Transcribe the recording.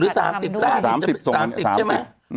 ๔๐หรือ๓๐ได้